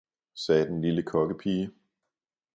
sagde den lille kokkepige.